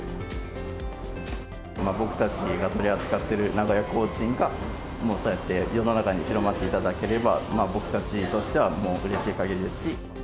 僕たちが取り扱っている名古屋コーチンが、そうやって世の中に広まっていただければ、僕たちとしてはもう、うれしいかぎりですし。